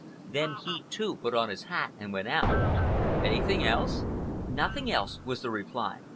Then he, too, put on his hat and went out." "Anything else?" "Nothing else," was the reply.